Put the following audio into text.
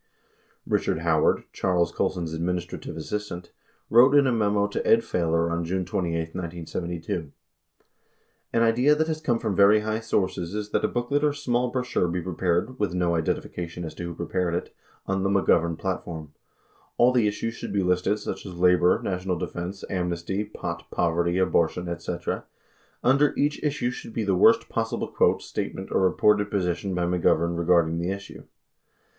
Eichard Howard, Charles Colson's administrative assistant, wrote in a memo to Ed Failor on June 28, 1972 : An idea that has come from very high sources is that a booklet or small brochure be prepared (with no identification as to Avho prepared it) on the "McGovern Platform.'' All the issues should be listed such as labor, national defense, am nesty, pot, poverty, abortion, etc. Under each issue should be the worst possible quote, statement, or reported position by McGovern regarding the issue.